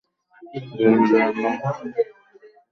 ডাকার্ণবতন্ত্রও এ শ্রেণির গ্রন্থ।